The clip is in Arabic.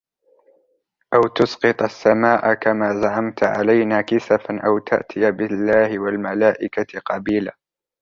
أَوْ تُسْقِطَ السَّمَاءَ كَمَا زَعَمْتَ عَلَيْنَا كِسَفًا أَوْ تَأْتِيَ بِاللَّهِ وَالْمَلَائِكَةِ قَبِيلًا